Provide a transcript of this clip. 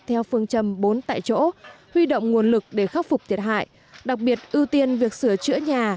theo phương châm bốn tại chỗ huy động nguồn lực để khắc phục thiệt hại đặc biệt ưu tiên việc sửa chữa nhà